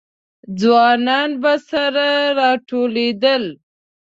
ځوانان به سره راټولېدل.